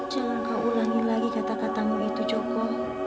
jangan kau ulangi lagi kata katamu itu joko